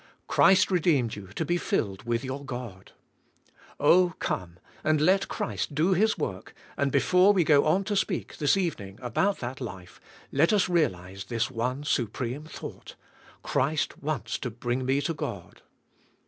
Christ redeemed you to be filled with your God. Oh, come and let Christ do His work, and before we go on to speak, this evening, about that life, let us realize this one su preme thought, Christ wants to bring me to God.